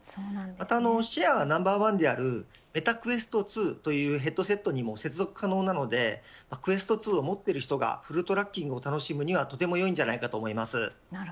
またシェアがナンバーワンであるメタクエスト２というヘッドセットにも接続可能なのでクエスト２を持っている人がフルトラッキングを楽しむにはとてもいいと思います。